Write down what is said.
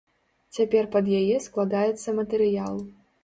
Цяпер пад яе складаецца матэрыял.